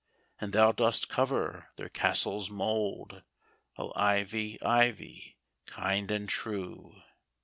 And thou dost cover their castle's mould, O, Ivy, Ivy, kind and true